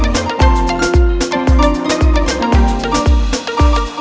hatinya jadi riang